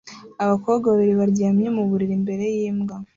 Abakobwa babiri baryamye mu buriri imbere y'imbwa